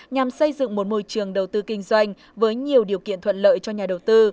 nhằm xây dựng một môi trường đầu tư kinh doanh với nhiều điều kiện thuận lợi cho nhà đầu tư